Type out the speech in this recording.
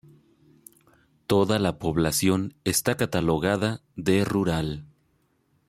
Toda la población está catalogada de rural.